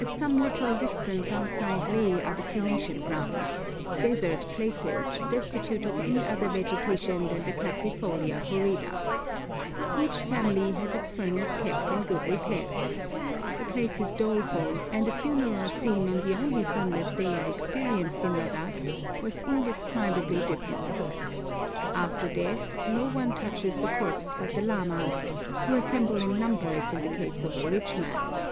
At some little distance outside Leh are the cremation grounds desert places, destitute of any other vegetation than the Caprifolia horrida. Each family has its furnace kept in good repair. The place is doleful, and a funeral scene on the only sunless day I experienced in Ladak was indescribably dismal. After death no one touches the corpse but the lamas, who assemble in numbers in the case of a rich man.